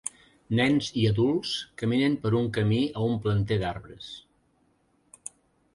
Nens i adults caminen per un camí a un planter d'arbres.